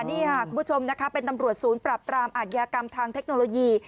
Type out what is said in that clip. นี่ค่ะคุณผู้ชมนะคะเป็นตำรวจศูนย์ปรับปรามอาทยากรรมทางเทคโนโลยี